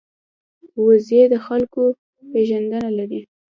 وزې د خلکو پېژندنه لري